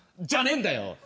じゃねえんだよ！